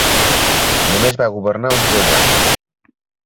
Només va governar uns dos anys.